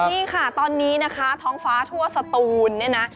นี่ค่ะตอนนี้นะคะท้องฟ้าทั่วสตูนเนี่ยนะ